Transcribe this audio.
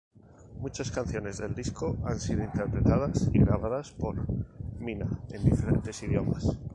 Muchas canciones del disco han sido interpretadas y grabadas por Mina en diferentes idiomas.